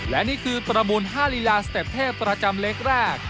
และนี่คือประมูล๕ลีลาสเต็ปเทพประจำเล็กแรก